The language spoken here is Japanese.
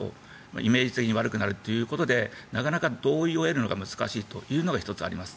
イメージ的に悪くなるということでなかなか同意を得るのが難しいというのが１つあります。